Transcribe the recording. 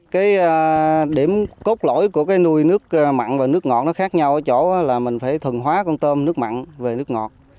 cái điểm cốt lỗi của cái nuôi nước mặn và nước ngọt nó khác nhau ở chỗ là mình phải thuần hóa con tôm nước mặn về nước ngọt